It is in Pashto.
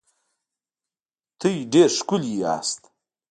تاسو ډېر ښکلي یاست